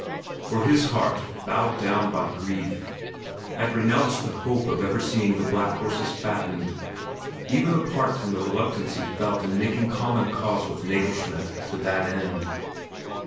For his heart, bowed down by grief, had renounced the hope of ever seeing the black horses fattened, even apart from the reluctance that he felt in making common cause with Nagelschmidt to that end.